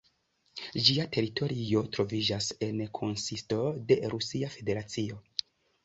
Ĝia teritorio troviĝas en konsisto de Rusia Federacio.